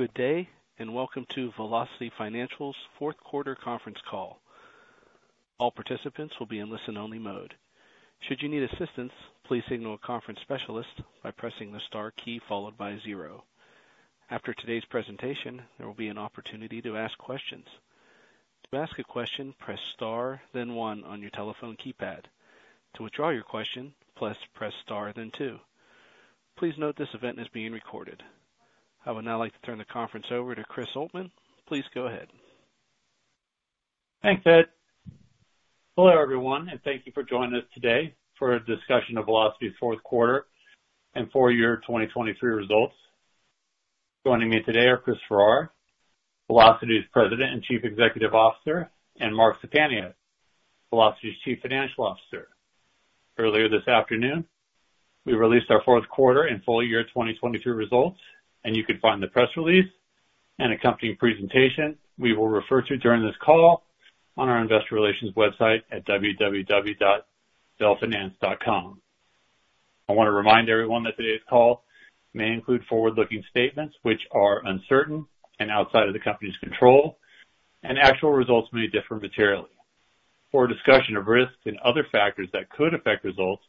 Good day and welcome to Velocity Financial's fourth-quarter conference call. All participants will be in listen-only mode. Should you need assistance, please signal a conference specialist by pressing the star key followed by 0. After today's presentation, there will be an opportunity to ask questions. To ask a question, press star then 1 on your telephone keypad. To withdraw your question, press star then 2. Please note this event is being recorded. I would now like to turn the conference over to Chris Oltmann. Please go ahead. Thanks, Ed. Hello everyone, and thank you for joining us today for a discussion of Velocity's fourth quarter and full year 2023 results. Joining me today are Chris Farrar, Velocity's President and Chief Executive Officer, and Mark Szczepaniak, Velocity's Chief Financial Officer. Earlier this afternoon, we released our fourth quarter and full year 2023 results, and you can find the press release and accompanying presentation we will refer to during this call on our investor relations website at www.velfinance.com. I want to remind everyone that today's call may include forward-looking statements which are uncertain and outside of the company's control, and actual results may differ materially. For a discussion of risks and other factors that could affect results,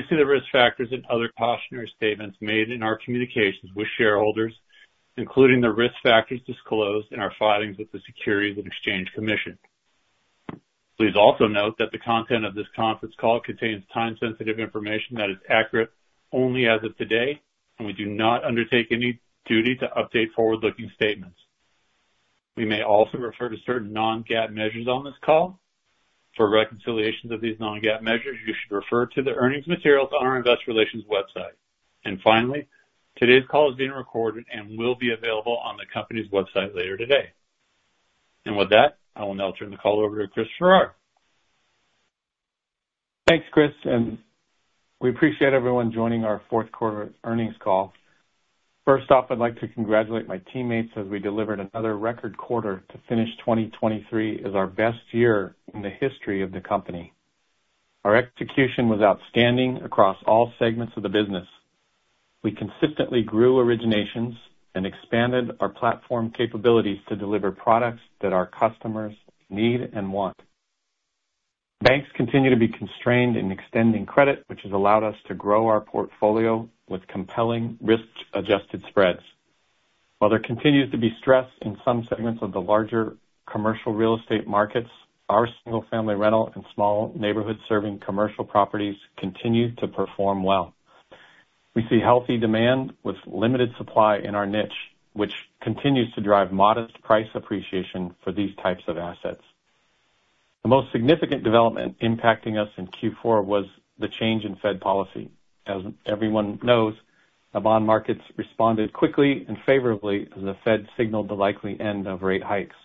please see the risk factors and other cautionary statements made in our communications with shareholders, including the risk factors disclosed in our filings with the Securities and Exchange Commission. Please also note that the content of this conference call contains time-sensitive information that is accurate only as of today, and we do not undertake any duty to update forward-looking statements. We may also refer to certain non-GAAP measures on this call. For reconciliations of these non-GAAP measures, you should refer to the earnings materials on our investor relations website. Finally, today's call is being recorded and will be available on the company's website later today. With that, I will now turn the call over to Chris Farrar. Thanks, Chris, and we appreciate everyone joining our fourth quarter earnings call. First off, I'd like to congratulate my teammates as we delivered another record quarter to finish 2023 as our best year in the history of the company. Our execution was outstanding across all segments of the business. We consistently grew originations and expanded our platform capabilities to deliver products that our customers need and want. Banks continue to be constrained in extending credit, which has allowed us to grow our portfolio with compelling risk-adjusted spreads. While there continues to be stress in some segments of the larger commercial real estate markets, our single-family rental and small neighborhood-serving commercial properties continue to perform well. We see healthy demand with limited supply in our niche, which continues to drive modest price appreciation for these types of assets. The most significant development impacting us in Q4 was the change in Fed policy. As everyone knows, the bond markets responded quickly and favorably as the Fed signaled the likely end of rate hikes.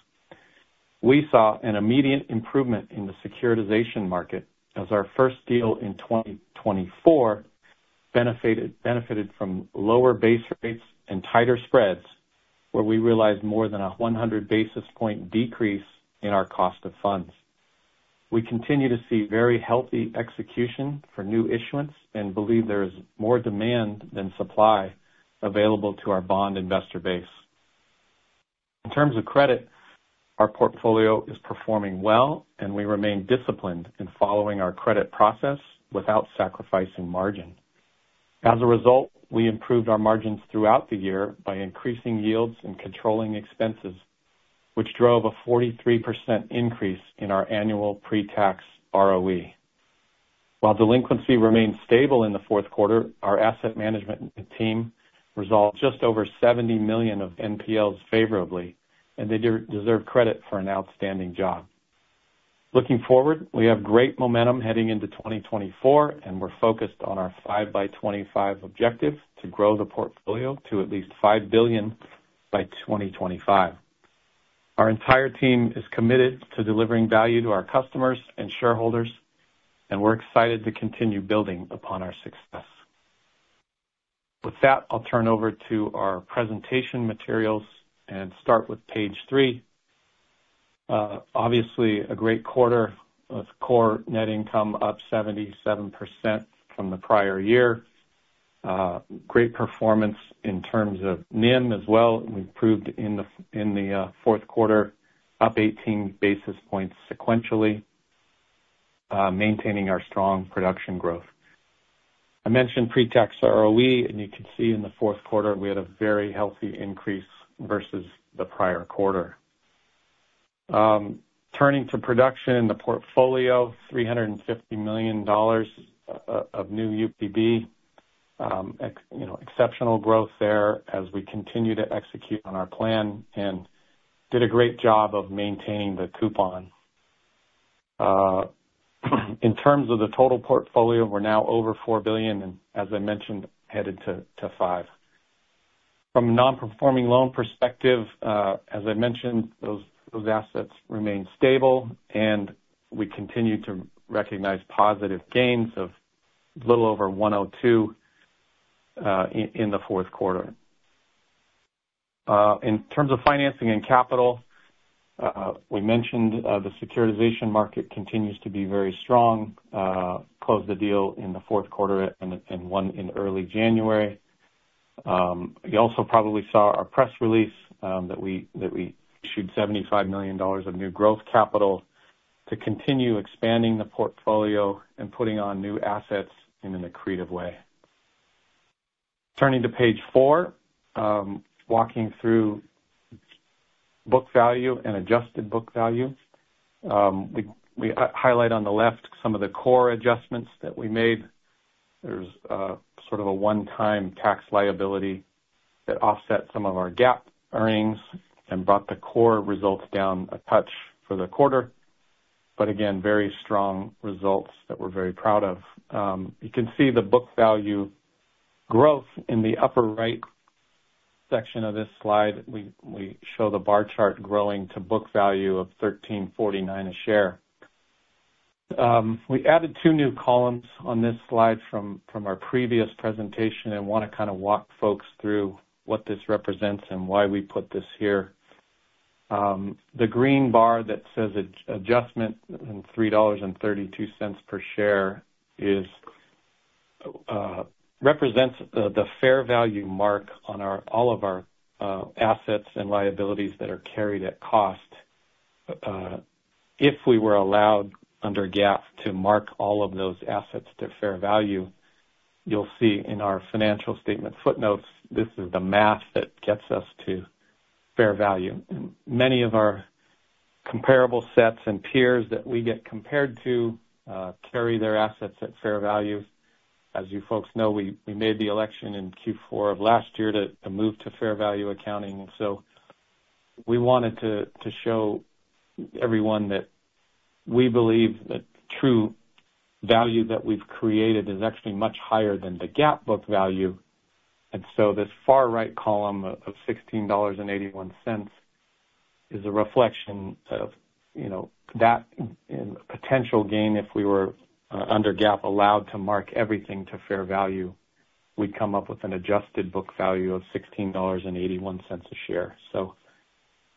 We saw an immediate improvement in the securitization market as our first deal in 2024 benefited from lower base rates and tighter spreads, where we realized more than a 100 basis point decrease in our cost of funds. We continue to see very healthy execution for new issuance and believe there is more demand than supply available to our bond investor base. In terms of credit, our portfolio is performing well, and we remain disciplined in following our credit process without sacrificing margin. As a result, we improved our margins throughout the year by increasing yields and controlling expenses, which drove a 43% increase in our annual pre-tax ROE. While delinquency remained stable in the fourth quarter, our asset management team resolved just over $70 million of NPLs favorably, and they deserve credit for an outstanding job. Looking forward, we have great momentum heading into 2024, and we're focused on our 5 by 25 objective to grow the portfolio to at least $5 billion by 2025. Our entire team is committed to delivering value to our customers and shareholders, and we're excited to continue building upon our success. With that, I'll turn over to our presentation materials and start with page 3. Obviously, a great quarter with core net income up 77% from the prior year. Great performance in terms of NIM as well. We improved in the fourth quarter, up 18 basis points sequentially, maintaining our strong production growth. I mentioned pre-tax ROE, and you can see in the fourth quarter, we had a very healthy increase versus the prior quarter. Turning to production and the portfolio, $350 million of new UPB. Exceptional growth there as we continue to execute on our plan and did a great job of maintaining the coupon. In terms of the total portfolio, we're now over $4 billion and, as I mentioned, headed to $5 billion. From a non-performing loan perspective, as I mentioned, those assets remain stable, and we continue to recognize positive gains of a little over 102% in the fourth quarter. In terms of financing and capital, we mentioned the securitization market continues to be very strong. Closed the deal in the fourth quarter and one in early January. You also probably saw our press release that we issued $75 million of new growth capital to continue expanding the portfolio and putting on new assets in an accretive way. Turning to page 4, walking through book value and adjusted book value. We highlight on the left some of the core adjustments that we made. There's sort of a one-time tax liability that offset some of our GAAP earnings and brought the core results down a touch for the quarter. But again, very strong results that we're very proud of. You can see the book value growth in the upper right section of this slide. We show the bar chart growing to book value of $13.49 a share. We added 2 new columns on this slide from our previous presentation and want to kind of walk folks through what this represents and why we put this here. The green bar that says adjustment in $3.32 per share represents the fair value mark on all of our assets and liabilities that are carried at cost. If we were allowed under GAAP to mark all of those assets to fair value, you'll see in our financial statement footnotes. This is the math that gets us to fair value. Many of our comparable sets and peers that we get compared to carry their assets at fair value. As you folks know, we made the election in Q4 of last year to move to fair value accounting. So we wanted to show everyone that we believe that true value that we've created is actually much higher than the GAAP book value. So this far right column of $16.81 is a reflection of that potential gain. If we were under GAAP, allowed to mark everything to fair value, we'd come up with an adjusted book value of $16.81 a share. So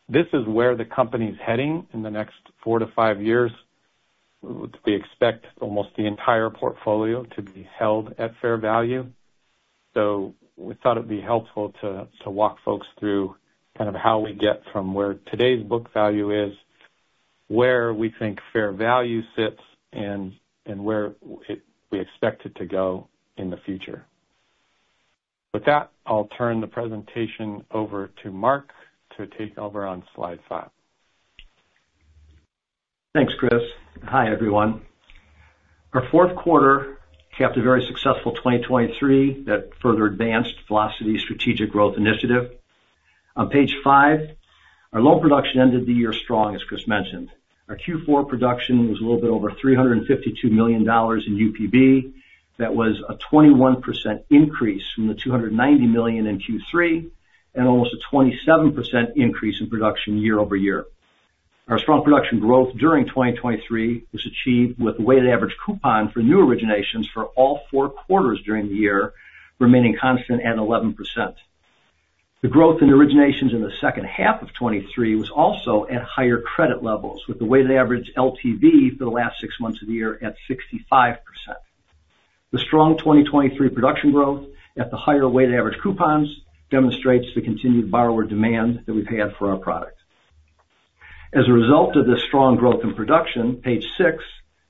this is where the company's heading in the next four to five years. We expect almost the entire portfolio to be held at fair value. So we thought it'd be helpful to walk folks through kind of how we get from where today's book value is, where we think fair value sits, and where we expect it to go in the future. With that, I'll turn the presentation over to Mark to take over on slide five. Thanks, Chris. Hi, everyone. Our fourth quarter capped a very successful 2023 that further advanced Velocity's Strategic Growth Initiative. On page five, our loan production ended the year strong, as Chris mentioned. Our Q4 production was a little bit over $352 million in UPB. That was a 21% increase from the $290 million in Q3 and almost a 27% increase in production year-over-year. Our strong production growth during 2023 was achieved with the weighted average coupon for new originations for all four quarters during the year, remaining constant at 11%. The growth in originations in the second half of 2023 was also at higher credit levels, with the weighted average LTV for the last six months of the year at 65%. The strong 2023 production growth at the higher weighted average coupons demonstrates the continued borrower demand that we've had for our product. As a result of this strong growth in production, page six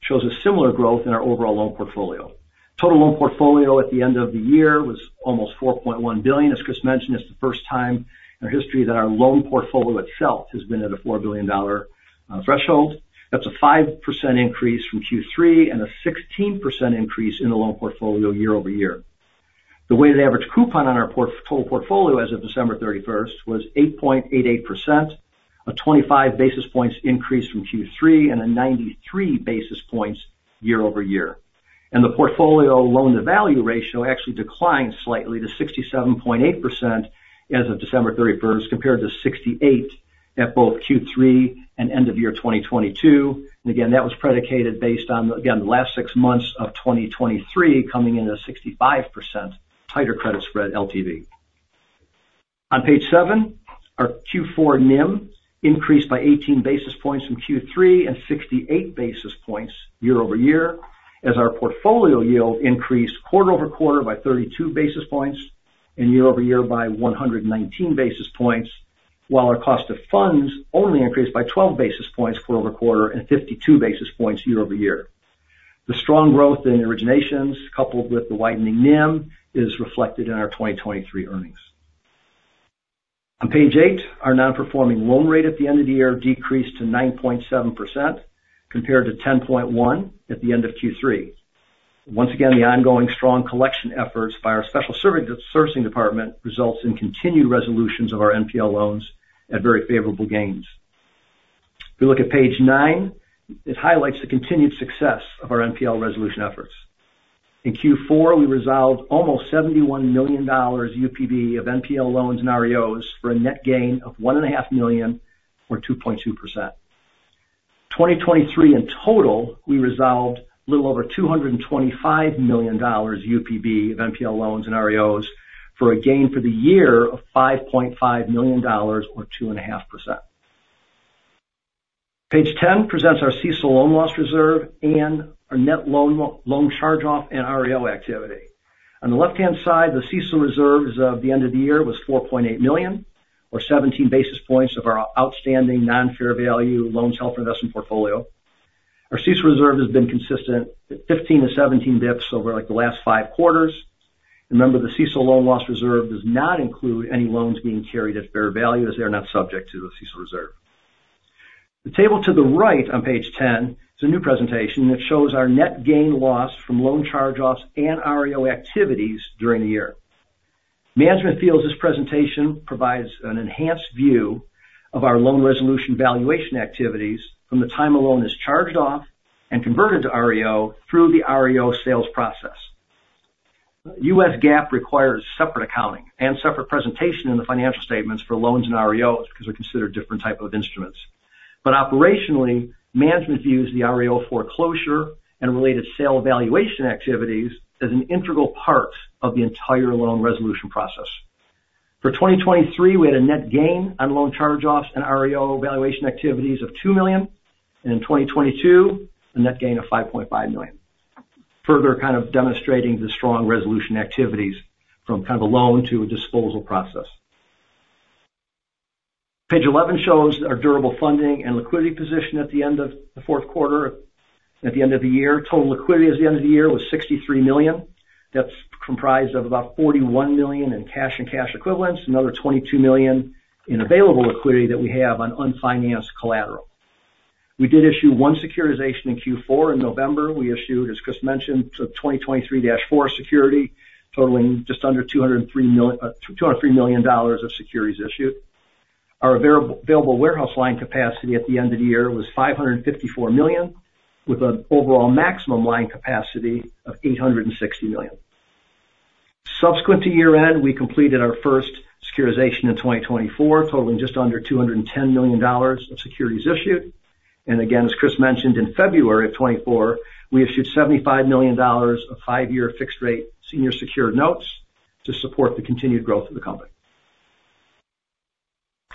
shows a similar growth in our overall loan portfolio. Total loan portfolio at the end of the year was almost $4.1 billion. As Chris mentioned, it's the first time in our history that our loan portfolio itself has been at a $4 billion threshold. That's a 5% increase from Q3 and a 16% increase in the loan portfolio year-over-year. The weighted average coupon on our total portfolio as of December 31st was 8.88%, a 25 basis points increase from Q3 and a 93 basis points year-over-year. And the portfolio loan-to-value ratio actually declined slightly to 67.8% as of December 31st, compared to 68% at both Q3 and end of year 2022. And again, that was predicated based on, again, the last six months of 2023 coming in at a 65% tighter credit spread LTV. On page seven, our Q4 NIM increased by 18 basis points from Q3 and 68 basis points year-over-year as our portfolio yield increased quarter-over-quarter by 32 basis points and year-over-year by 119 basis points, while our cost of funds only increased by 12 basis points quarter-over-quarter and 52 basis points year-over-year. The strong growth in originations, coupled with the widening NIM, is reflected in our 2023 earnings. On page eight, our non-performing loan rate at the end of the year decreased to 9.7%, compared to 10.1% at the end of Q3. Once again, the ongoing strong collection efforts by our special servicing department result in continued resolutions of our NPL loans at very favorable gains. If we look at page nine, it highlights the continued success of our NPL resolution efforts. In Q4, we resolved almost $71 million UPB of NPL loans and REOs for a net gain of $1.5 million or 2.2%. In 2023 in total, we resolved a little over $225 million UPB of NPL loans and REOs for a gain for the year of $5.5 million or 2.5%. Page 10 presents our CECL loan loss reserve and our net loan charge-off and REO activity. On the left-hand side, the CECL reserves of the end of the year was $4.8 million or 17 basis points of our outstanding non-fair value loans held for investment portfolio. Our CECL reserve has been consistent at 15 to 17 basis points over the last 5 quarters. And remember, the CECL loan loss reserve does not include any loans being carried at fair value as they are not subject to the CECL reserve. The table to the right on page 10 is a new presentation, and it shows our net gain/loss from loan charge-offs and REO activities during the year. Management feels this presentation provides an enhanced view of our loan resolution valuation activities from the time a loan is charged off and converted to REO through the REO sales process. U.S. GAAP requires separate accounting and separate presentation in the financial statements for loans and REOs because they're considered different types of instruments. But operationally, management views the REO foreclosure and related sale valuation activities as an integral part of the entire loan resolution process. For 2023, we had a net gain on loan charge-offs and REO valuation activities of $2 million, and in 2022, a net gain of $5.5 million, further kind of demonstrating the strong resolution activities from kind of a loan to a disposal process. Page 11 shows our durable funding and liquidity position at the end of the fourth quarter and at the end of the year. Total liquidity at the end of the year was $63 million. That's comprised of about $41 million in cash and cash equivalents, another $22 million in available liquidity that we have on unfinanced collateral. We did issue one securitization in Q4. In November, we issued, as Chris mentioned, 2023-4 security, totaling just under $203 million of securities issued. Our available warehouse line capacity at the end of the year was $554 million, with an overall maximum line capacity of $860 million. Subsequent to year-end, we completed our first securitization in 2024, totaling just under $210 million of securities issued. And again, as Chris mentioned, in February of 2024, we issued $75 million of five-year fixed-rate senior secured notes to support the continued growth of the company.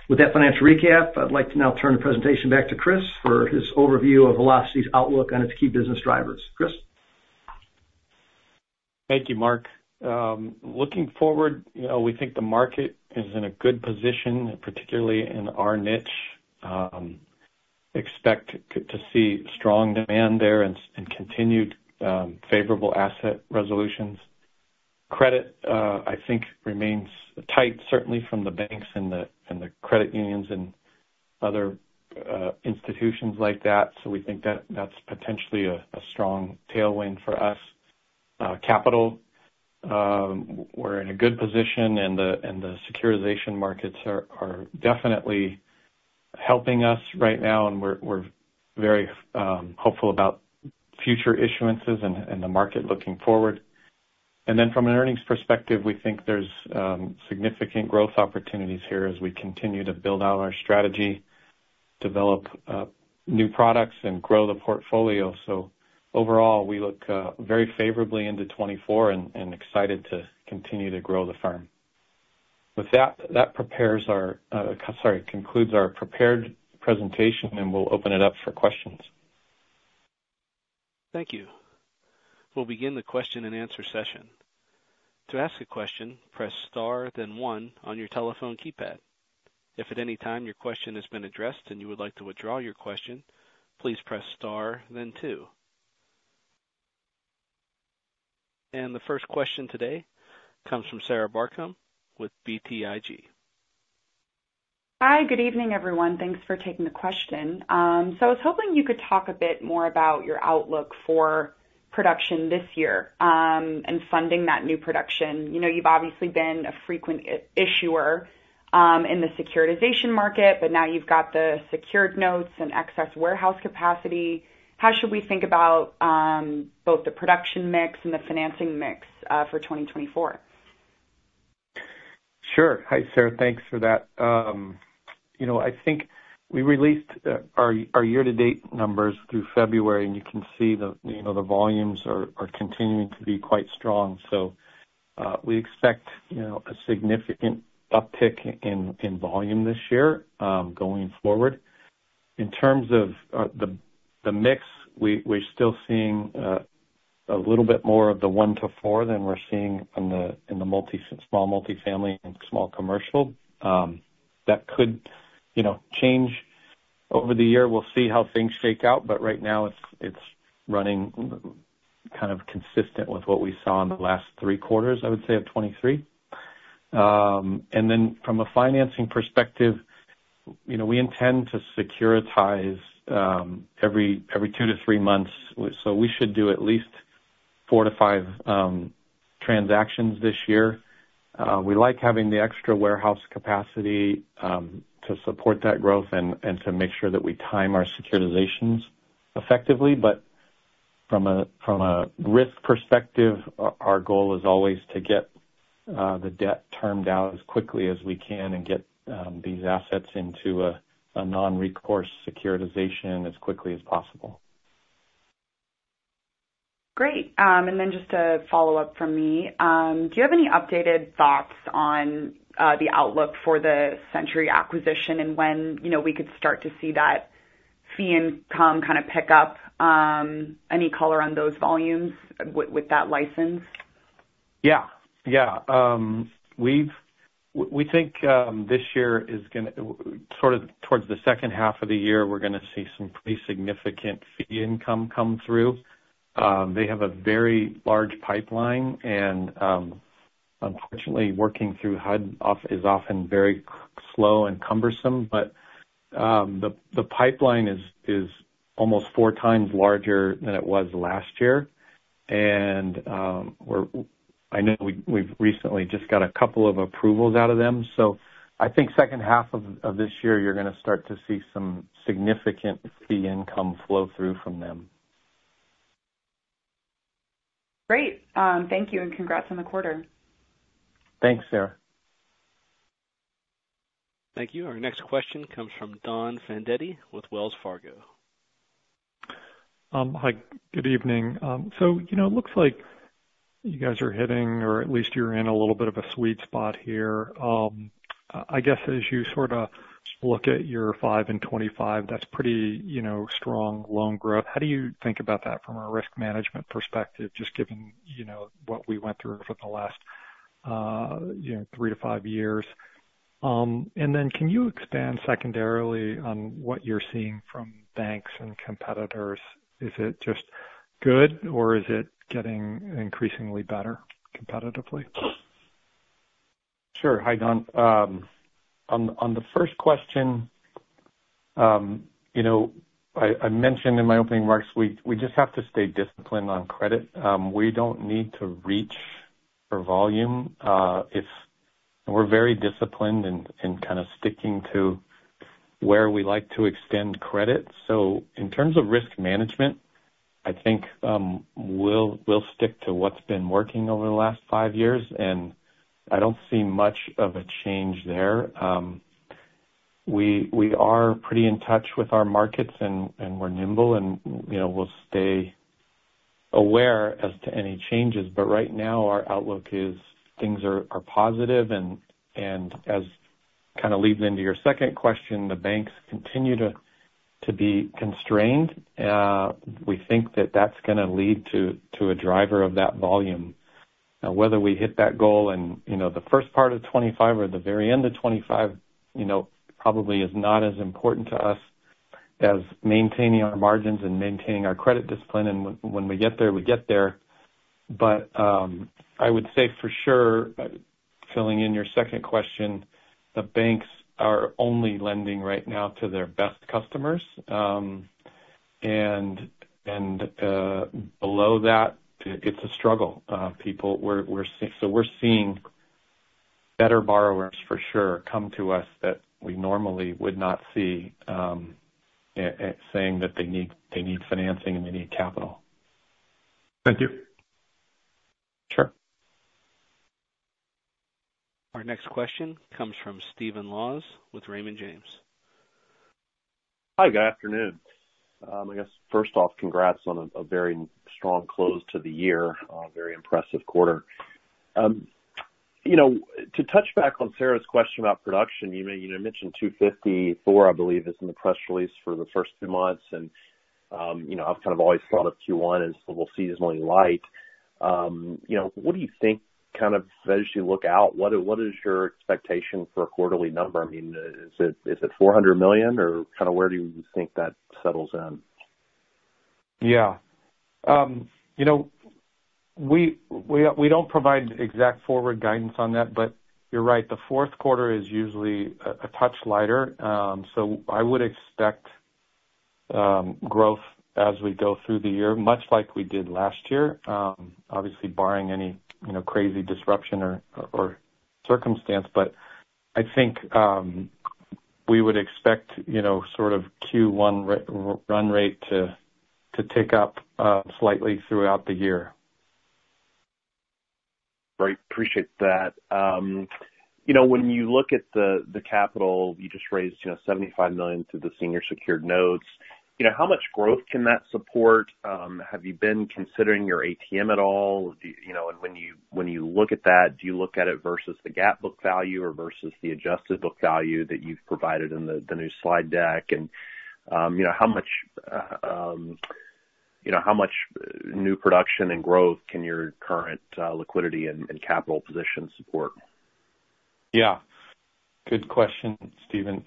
With that financial recap, I'd like to now turn the presentation back to Chris for his overview of Velocity's outlook on its key business drivers. Chris? Thank you, Mark. Looking forward, we think the market is in a good position, particularly in our niche. Expect to see strong demand there and continued favorable asset resolutions. Credit, I think, remains tight, certainly from the banks and the credit unions and other institutions like that. So we think that's potentially a strong tailwind for us. Capital, we're in a good position, and the securitization markets are definitely helping us right now. And we're very hopeful about future issuances and the market looking forward. And then from an earnings perspective, we think there's significant growth opportunities here as we continue to build out our strategy, develop new products, and grow the portfolio. So overall, we look very favorably into 2024 and excited to continue to grow the firm. With that, sorry, concludes our prepared presentation, and we'll open it up for questions. Thank you. We'll begin the question-and-answer session. To ask a question, press star, then 1 on your telephone keypad. If at any time your question has been addressed and you would like to withdraw your question, please press star, then 2. The first question today comes from Sarah Barcomb with BTIG. Hi. Good evening, everyone. Thanks for taking the question. So I was hoping you could talk a bit more about your outlook for production this year and funding that new production. You've obviously been a frequent issuer in the securitization market, but now you've got the secured notes and excess warehouse capacity. How should we think about both the production mix and the financing mix for 2024? Sure. Hi, Sarah. Thanks for that. I think we released our year-to-date numbers through February, and you can see the volumes are continuing to be quite strong. So we expect a significant uptick in volume this year going forward. In terms of the mix, we're still seeing a little bit more of the 1-4 than we're seeing in the small multifamily and small commercial. That could change over the year. We'll see how things shake out. But right now, it's running kind of consistent with what we saw in the last 3 quarters, I would say, of 2023. And then from a financing perspective, we intend to securitize every 2-3 months. So we should do at least 4-5 transactions this year. We like having the extra warehouse capacity to support that growth and to make sure that we time our securitizations effectively. But from a risk perspective, our goal is always to get the debt termed out as quickly as we can and get these assets into a non-recourse securitization as quickly as possible. Great. And then just a follow-up from me. Do you have any updated thoughts on the outlook for the Century acquisition and when we could start to see that fee income kind of pick up any color on those volumes with that license? Yeah. Yeah. We think this year is going to sort of towards the second half of the year, we're going to see some pretty significant fee income come through. They have a very large pipeline, and unfortunately, working through HUD is often very slow and cumbersome. But the pipeline is almost four times larger than it was last year. And I know we've recently just got a couple of approvals out of them. So I think second half of this year, you're going to start to see some significant fee income flow through from them. Great. Thank you and congrats on the quarter. Thanks, Sarah. Thank you. Our next question comes from Don Fandetti with Wells Fargo. Hi. Good evening. So it looks like you guys are hitting or at least you're in a little bit of a sweet spot here. I guess as you sort of look at your 5 and 25, that's pretty strong loan growth. How do you think about that from a risk management perspective, just given what we went through for the last 3-5 years? And then can you expand secondarily on what you're seeing from banks and competitors? Is it just good, or is it getting increasingly better competitively? Sure. Hi, Don. On the first question, I mentioned in my opening remarks, we just have to stay disciplined on credit. We don't need to reach for volume. We're very disciplined in kind of sticking to where we like to extend credit. So in terms of risk management, I think we'll stick to what's been working over the last five years, and I don't see much of a change there. We are pretty in touch with our markets, and we're nimble, and we'll stay aware as to any changes. But right now, our outlook is things are positive. And as kind of leads into your second question, the banks continue to be constrained. We think that that's going to lead to a driver of that volume. Now, whether we hit that goal in the first part of 2025 or the very end of 2025 probably is not as important to us as maintaining our margins and maintaining our credit discipline. And when we get there, we get there. But I would say for sure, filling in your second question, the banks are only lending right now to their best customers. And below that, it's a struggle. So we're seeing better borrowers, for sure, come to us that we normally would not see saying that they need financing and they need capital. Thank you. Sure. Our next question comes from Stephen Laws with Raymond James. Hi. Good afternoon. I guess, first off, congrats on a very strong close to the year, very impressive quarter. To touch back on Sarah's question about production, you mentioned $254 million, I believe, is in the press release for the first two months. I've kind of always thought of Q1 as a little seasonally light. What do you think kind of as you look out, what is your expectation for a quarterly number? I mean, is it $400 million, or kind of where do you think that settles in? Yeah. We don't provide exact forward guidance on that, but you're right. The fourth quarter is usually a touch lighter. So I would expect growth as we go through the year, much like we did last year, obviously barring any crazy disruption or circumstance. But I think we would expect sort of Q1 run rate to tick up slightly throughout the year. Great. Appreciate that. When you look at the capital, you just raised $75 million through the senior secured notes. How much growth can that support? Have you been considering your ATM at all? And when you look at that, do you look at it versus the GAAP book value or versus the adjusted book value that you've provided in the new slide deck? And how much new production and growth can your current liquidity and capital position support? Yeah. Good question, Stephen.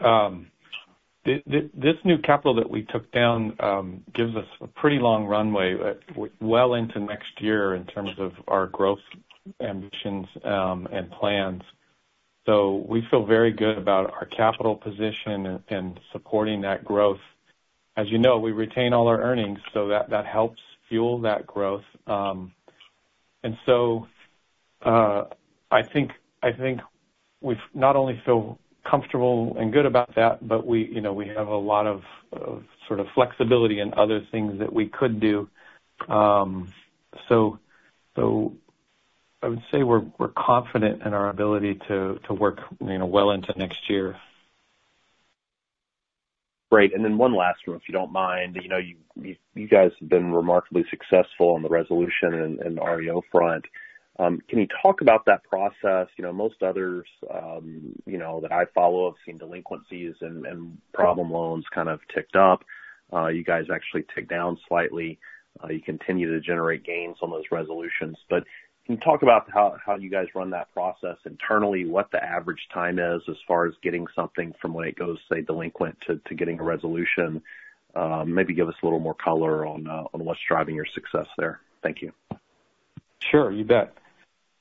This new capital that we took down gives us a pretty long runway well into next year in terms of our growth ambitions and plans. So we feel very good about our capital position and supporting that growth. As you know, we retain all our earnings, so that helps fuel that growth. And so I think we not only feel comfortable and good about that, but we have a lot of sort of flexibility in other things that we could do. So I would say we're confident in our ability to work well into next year. Great. And then one last one, if you don't mind. You guys have been remarkably successful on the resolution and REO front. Can you talk about that process? Most others that I follow have seen delinquencies and problem loans kind of ticked up. You guys actually ticked down slightly. You continue to generate gains on those resolutions. But can you talk about how you guys run that process internally, what the average time is as far as getting something from when it goes, say, delinquent to getting a resolution? Maybe give us a little more color on what's driving your success there. Thank you. Sure. You bet.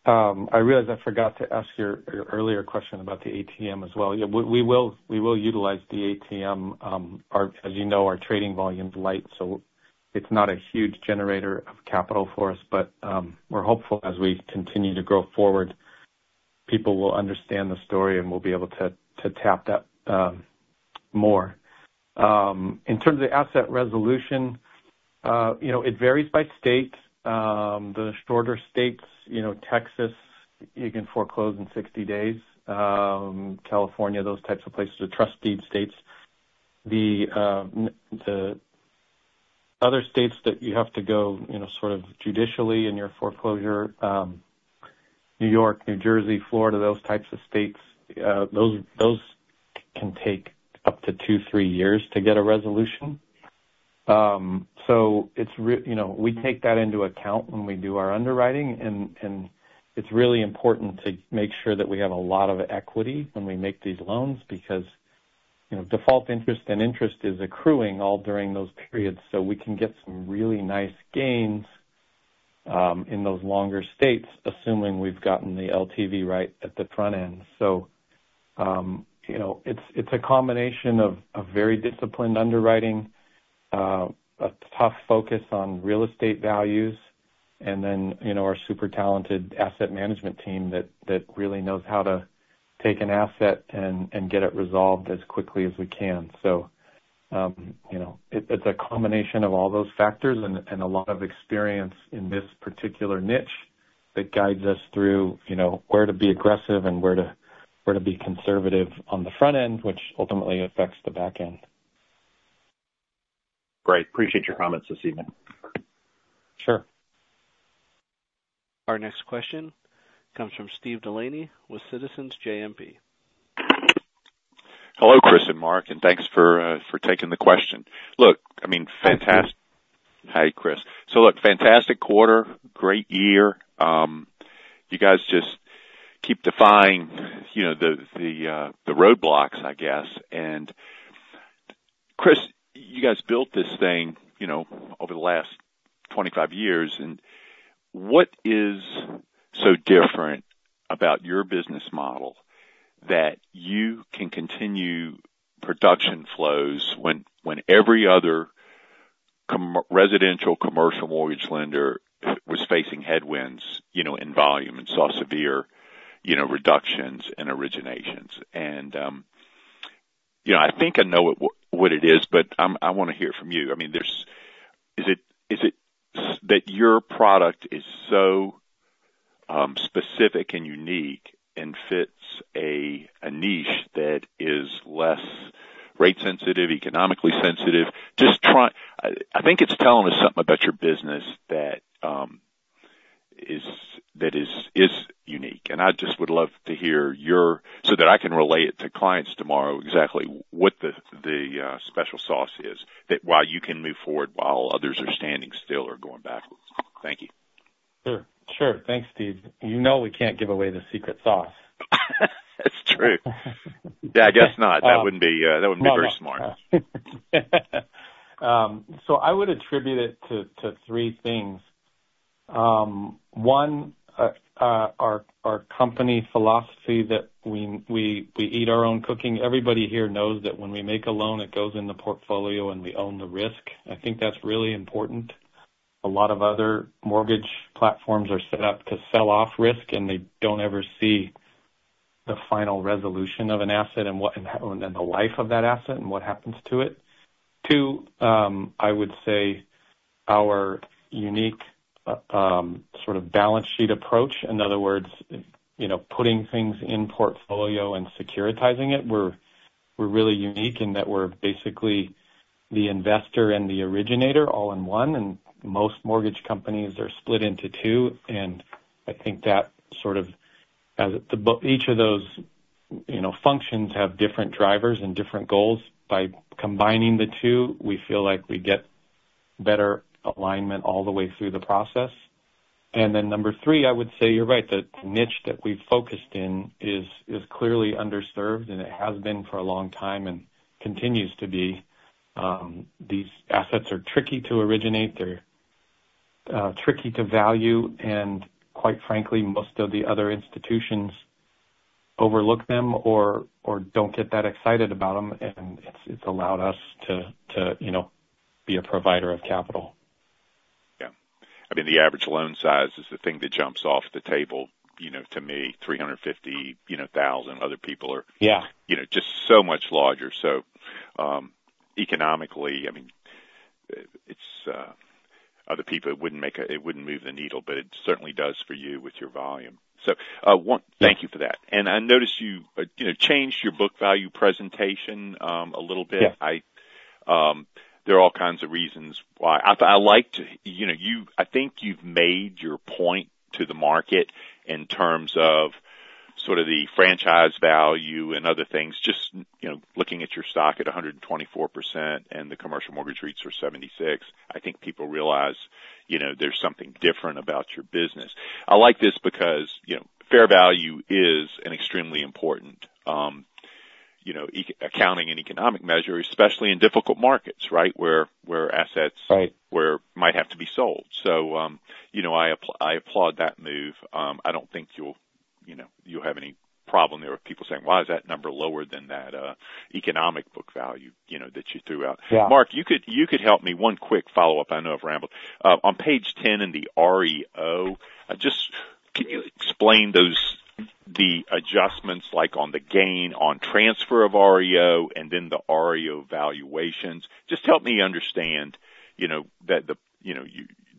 I realize I forgot to ask your earlier question about the ATM as well. Yeah. We will utilize the ATM. As you know, our trading volume's light, so it's not a huge generator of capital for us. But we're hopeful as we continue to grow forward, people will understand the story and we'll be able to tap that more. In terms of asset resolution, it varies by state. The shorter states, Texas, you can foreclose in 60 days. California, those types of places are trust deed states. The other states that you have to go sort of judicially in your foreclosure, New York, New Jersey, Florida, those types of states, those can take up to 2-3 years to get a resolution. So we take that into account when we do our underwriting. It's really important to make sure that we have a lot of equity when we make these loans because default interest and interest is accruing all during those periods. We can get some really nice gains in those longer states, assuming we've gotten the LTV right at the front end. It's a combination of very disciplined underwriting, a tough focus on real estate values, and then our super talented asset management team that really knows how to take an asset and get it resolved as quickly as we can. It's a combination of all those factors and a lot of experience in this particular niche that guides us through where to be aggressive and where to be conservative on the front end, which ultimately affects the back end. Great. Appreciate your comments, Stephen. Sure. Our next question comes from Steve Delaney with Citizens JMP. Hello, Chris and Mark, and thanks for taking the question. Look, I mean, fantastic hi, Chris. So look, fantastic quarter, great year. You guys just keep defying the roadblocks, I guess. And Chris, you guys built this thing over the last 25 years. And what is so different about your business model that you can continue production flows when every other residential commercial mortgage lender was facing headwinds in volume and saw severe reductions and originations? And I think I know what it is, but I want to hear from you. I mean, is it that your product is so specific and unique and fits a niche that is less rate-sensitive, economically sensitive? I think it's telling us something about your business that is unique. I just would love to hear your so that I can relay it to clients tomorrow exactly what the special sauce is, that while you can move forward, while others are standing still or going backwards. Thank you. Sure. Sure. Thanks, Steve. You know we can't give away the secret sauce. That's true. Yeah, I guess not. That wouldn't be very smart. So I would attribute it to three things. One, our company philosophy that we eat our own cooking. Everybody here knows that when we make a loan, it goes in the portfolio, and we own the risk. I think that's really important. A lot of other mortgage platforms are set up to sell off risk, and they don't ever see the final resolution of an asset and the life of that asset and what happens to it. Two, I would say our unique sort of balance sheet approach, in other words, putting things in portfolio and securitizing it, we're really unique in that we're basically the investor and the originator all in one. Most mortgage companies are split into two. And I think that sort of as each of those functions have different drivers and different goals, by combining the two, we feel like we get better alignment all the way through the process. And then number 3, I would say you're right. The niche that we've focused in is clearly underserved, and it has been for a long time and continues to be. These assets are tricky to originate. They're tricky to value. And quite frankly, most of the other institutions overlook them or don't get that excited about them. And it's allowed us to be a provider of capital. Yeah. I mean, the average loan size is the thing that jumps off the table to me, $350,000. Other people are just so much larger. So economically, I mean, other people, it wouldn't move the needle, but it certainly does for you with your volume. So thank you for that. And I noticed you changed your book value presentation a little bit. There are all kinds of reasons why. I like to, I think you've made your point to the market in terms of sort of the franchise value and other things. Just looking at your stock at 124% and the commercial mortgage REITs are 76%, I think people realize there's something different about your business. I like this because fair value is an extremely important accounting and economic measure, especially in difficult markets, right, where assets might have to be sold. So I applaud that move. I don't think you'll have any problem there with people saying, "Why is that number lower than that economic book value that you threw out?" Mark, you could help me one quick follow-up. I know I've rambled. On page 10 in the REO, can you explain the adjustments on the gain, on transfer of REO, and then the REO valuations? Just help me understand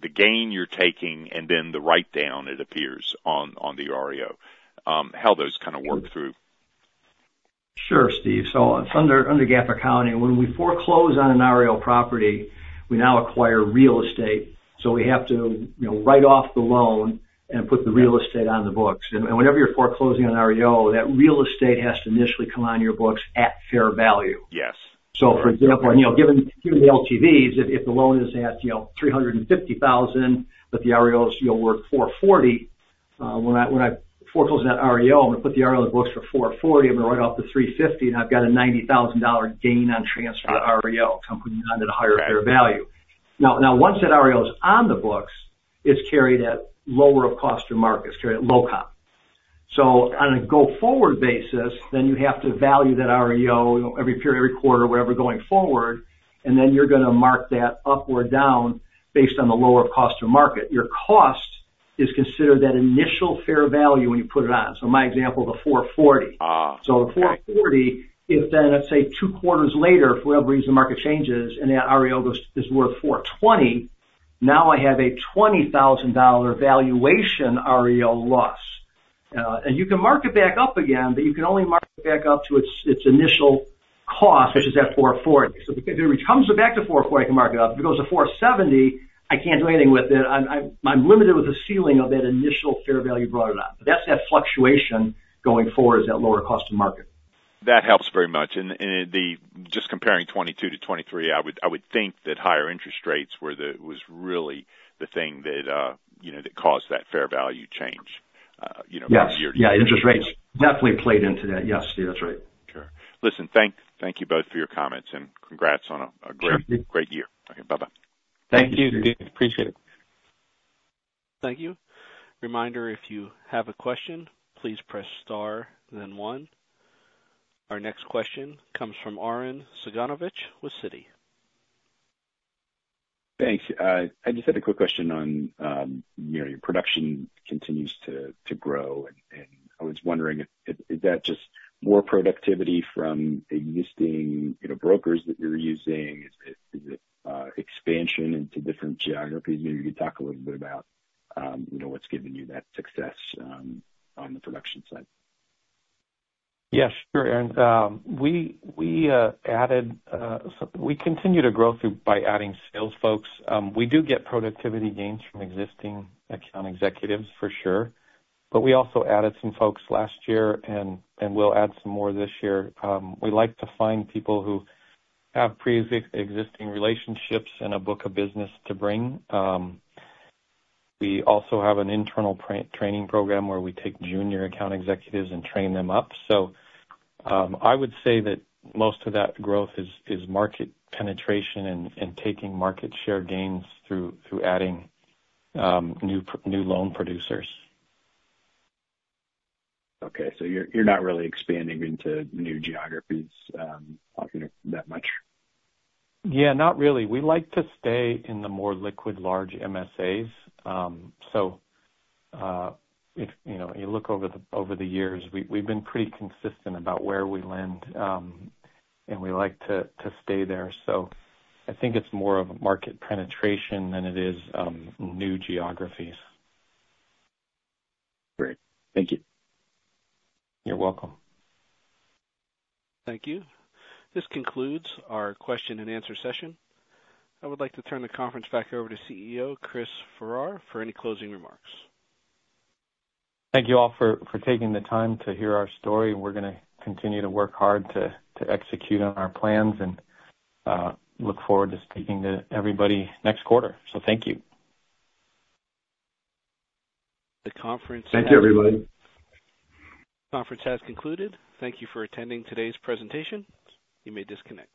the gain you're taking and then the write-down, it appears, on the REO. How those kind of work through. Sure, Steve. So it's under GAAP accounting. When we foreclose on an REO property, we now acquire real estate. So we have to write off the loan and put the real estate on the books. And whenever you're foreclosing on REO, that real estate has to initially come on your books at fair value. So for example, given the LTVs, if the loan is at $350,000, but the REO is worth $440,000, when I foreclose on that REO, I'm going to put the REO on the books for $440,000. I'm going to write off the $350,000, and I've got a $90,000 gain on transfer to REO. I'm putting it on at a higher fair value. Now, once that REO is on the books, it's carried at lower of cost or market, it's carried at lower of cost or market. So on a go-forward basis, then you have to value that REO every period, every quarter, wherever going forward. And then you're going to mark that up or down based on the lower of cost to market. Your cost is considered that initial fair value when you put it on. So in my example, the $440. So the $440, if then, let's say, two quarters later, for whatever reason, the market changes and that REO is worth $420, now I have a $20,000 valuation REO loss. And you can mark it back up again, but you can only mark it back up to its initial cost, which is at $440. So if it comes back to $440, I can mark it up. If it goes to $470, I can't do anything with it. I'm limited with the ceiling of that initial fair value you brought it on. But that's that fluctuation going forward is that lower cost to market. That helps very much. Just comparing 2022 to 2023, I would think that higher interest rates was really the thing that caused that fair value change year to year. Yeah. Yeah. Interest rates definitely played into that. Yes, Steve. That's right. Sure. Listen, thank you both for your comments, and congrats on a great year. Okay. Bye-bye. Thank you, Steve. Appreciate it. Thank you. Reminder, if you have a question, please press star, then one. Our next question comes from Arren Cyganovich with Citi. Thanks. I just had a quick question on your production continues to grow. And I was wondering, is that just more productivity from existing brokers that you're using? Is it expansion into different geographies? Maybe you could talk a little bit about what's given you that success on the production side. Yes. Sure, Aaron. We continued to grow by adding sales folks. We do get productivity gains from existing account executives, for sure. But we also added some folks last year, and we'll add some more this year. We like to find people who have pre-existing relationships and a book of business to bring. We also have an internal training program where we take junior account executives and train them up. So I would say that most of that growth is market penetration and taking market share gains through adding new loan producers. Okay. So you're not really expanding into new geographies that much? Yeah, not really. We like to stay in the more liquid, large MSAs. So if you look over the years, we've been pretty consistent about where we lend, and we like to stay there. So I think it's more of a market penetration than it is new geographies. Great. Thank you. You're welcome. Thank you. This concludes our question-and-answer session. I would like to turn the conference back over to CEO Chris Farrar for any closing remarks. Thank you all for taking the time to hear our story. We're going to continue to work hard to execute on our plans and look forward to speaking to everybody next quarter. So thank you. The conference. Thank you, everybody. Conference has concluded. Thank you for attending today's presentation. You may disconnect.